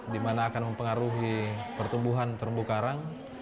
di mana akan mempengaruhi pertumbuhan terumbu karang